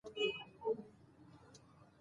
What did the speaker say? افغان ولس به سوکاله شي.